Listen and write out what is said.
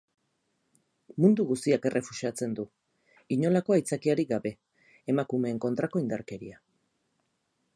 Mundu guztiak errefusatzen du, inolako aitzakiarik gabe, emakumeen kontrako indarkeria.